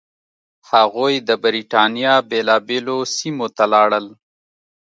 هغوی د برېټانیا بېلابېلو سیمو ته لاړل.